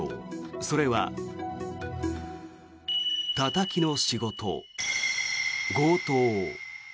それは、たたきの仕事、強盗。